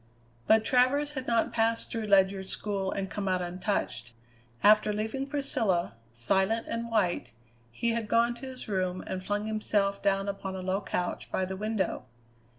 But Travers had not passed through Ledyard's school and come out untouched. After leaving Priscilla, silent and white, he had gone to his room and flung himself down upon a low couch by the window.